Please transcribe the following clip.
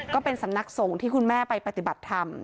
ก็เป็นสำนักสงฆ์ที่คุณแม่ไปปฏิบัติธรรม